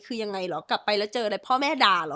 คือยังไงเหรอกลับไปแล้วเจออะไรพ่อแม่ด่าเหรอ